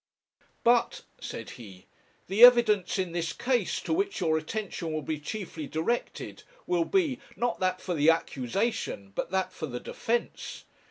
'But,' said he, 'the evidence in this case, to which your attention will be chiefly directed, will be, not that for the accusation, but that for the defence.